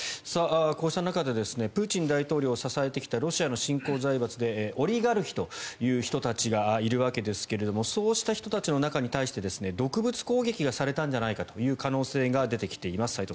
こうした中でプーチン大統領を支えてきたロシアの新興財閥でオリガルヒという人たちがいるわけですがそうした人たちの中に対して毒物攻撃されたんじゃないかという可能性が出てきています。